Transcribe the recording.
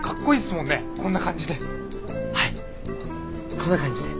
こんな感じで。